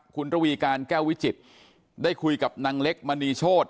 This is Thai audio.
คุณระวีการแก้ววิจิตรได้คุยกับนางเล็กมณีโชธ